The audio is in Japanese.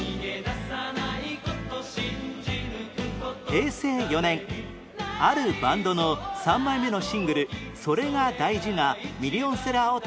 平成４年あるバンドの３枚目のシングル『それが大事』がミリオンセラーを達成